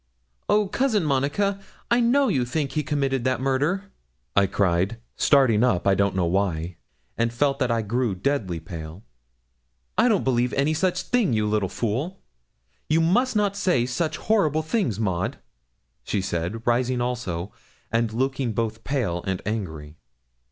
'Oh! Cousin Monica, I know you think he committed that murder,' I cried, starting up, I don't know why, and I felt that I grew deadly pale. 'I don't believe any such thing, you little fool; you must not say such horrible things, Maud,' she said, rising also, and looking both pale and angry.